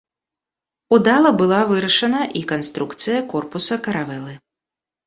Удала была вырашана і канструкцыя корпуса каравелы.